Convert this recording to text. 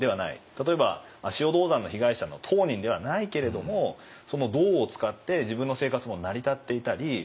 例えば足尾銅山の被害者の当人ではないけれども銅を使って自分の生活も成り立っていたりこの社会で一緒に生きている。